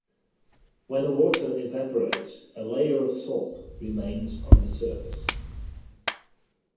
When the water evaporates, a layer of salt remains on the surface.